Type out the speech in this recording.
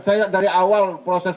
saya dari awal proses